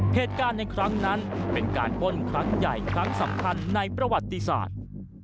เหตุการณ์ในครั้งนั้นเป็นการป้นครั้งใหญ่ครั้งสำคัญในประวัติศาสตร์